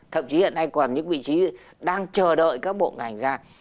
thậm chí hiện nay còn những vị trí đang chờ đợi các bộ ngành ra